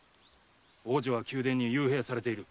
王女は宮殿に幽閉されている。